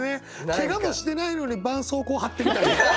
けがもしてないのにばんそうこう貼ってみたり。